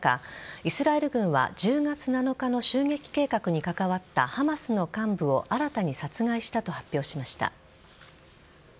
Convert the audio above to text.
イスラエル軍は１０月７日の襲撃計画に関わったハマスの幹部を新たに殺害したと発表しました。